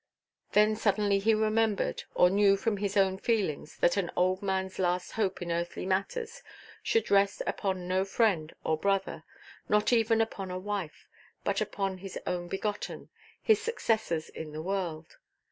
Then suddenly he remembered, or knew from his own feelings, that an old manʼs last hope in earthly matters should rest upon no friend or brother, not even upon a wife, but upon his own begotten, his successors in the world.